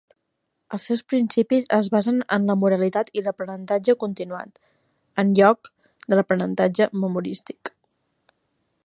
Els seus principis es basen en la moralitat i l'aprenentatge continuat, en lloc de l'aprenentatge memorístic.